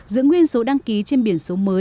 giữ nguyên số đăng ký trên biển số mới